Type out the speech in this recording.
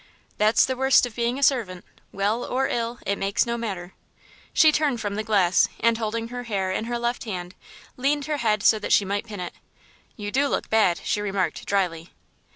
"That's the worst of being a servant. Well or ill, it makes no matter." She turned from the glass, and holding her hair in her left hand, leaned her head so that she might pin it. "You do look bad," she remarked dryly.